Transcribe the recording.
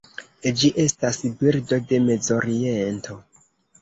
Ĝi estas birdo de Mezoriento.